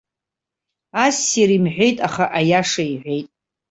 Ассир имҳәеит аха, аиаша иҳәеит.